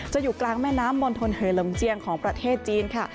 อยู่กลางแม่น้ำมณฑลเหอลำเจียงของประเทศจีนค่ะ